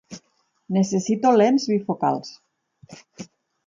Necessito lents bifocals.